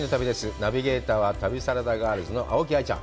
ナビゲーターは旅サラダガールズの青木愛ちゃん。